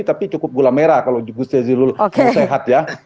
tapi cukup gula merah kalau jogja jadzidul sehat ya